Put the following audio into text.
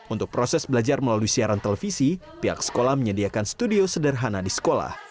untuk proses belajar melalui siaran televisi pihak sekolah menyediakan studio sederhana di sekolah